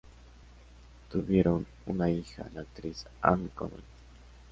Tuvieron una hija, la actriz Ann Connolly.